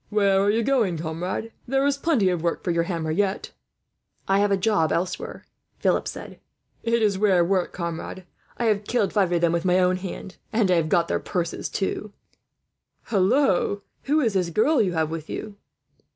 "Where are you going, comrade?" he said. "There is plenty of work for your hammer, yet." "I have a job elsewhere," Philip said. "It is rare work, comrade. I have killed five of them with my own hand, and I have got their purses, too," he chuckled. "Hallo! Who is this girl you have with you?"